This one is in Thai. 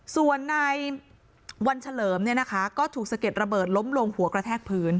ส่วนในวันเฉลิมเนี่ยนะคะก็ถูกสะเก็ดระเบิดล้มลงหัวกระแทกพื้น